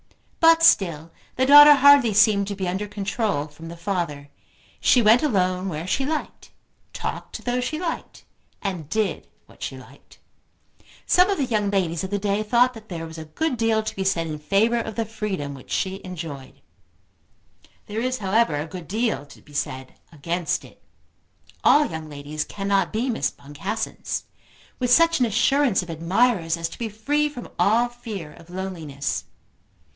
But still the daughter hardly seemed to be under control from the father. She went alone where she liked; talked to those she liked; and did what she liked. Some of the young ladies of the day thought that there was a good deal to be said in favour of the freedom which she enjoyed. There is however a good deal to be said against it. All young ladies cannot be Miss Boncassens, with such an assurance of admirers as to be free from all fear of loneliness.